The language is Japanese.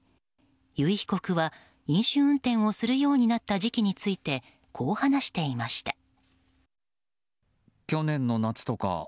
由井被告は飲酒運転をするようになった時期についてこう話していました。